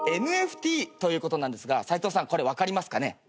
ＮＦＴということなんですがサイトウさんこれ分かりますかね。